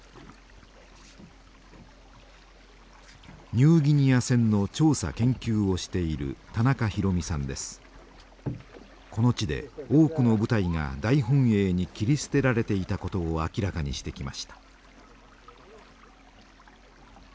ニューギニア戦の調査研究をしているこの地で多くの部隊が大本営に切り捨てられていたことを明らかにしてきました。